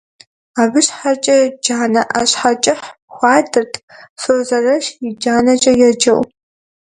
Абы щхьэкӏэ джанэ ӏэщхьэкӏыхь хуадырт, «Созэрэщ и джанэкӏэ» еджэу .